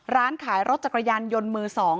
ร้านขายรถจักรยานยนต์มือ๒